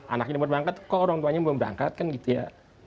anaknya belum berangkat kok orang tuanya belum berangkat kan gitu ya